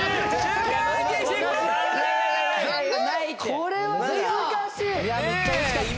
これは難しい！ねえ。